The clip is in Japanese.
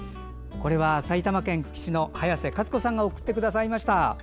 これは埼玉県久喜市の早瀬勝子さんが送ってくださいました。